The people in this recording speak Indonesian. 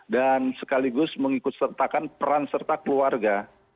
dan sekaligus mengikut sertakan peran serta keluarga